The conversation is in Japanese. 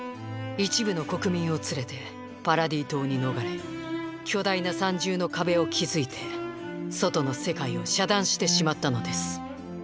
一部の国民を連れてパラディ島に逃れ巨大な三重の壁を築いて外の世界を遮断してしまったのです。